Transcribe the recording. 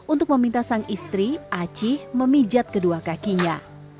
untuk meminta sang istri aci memijat kedua kakinya